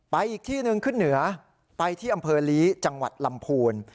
อีกที่หนึ่งขึ้นเหนือไปที่อำเภอลีจังหวัดลำพูน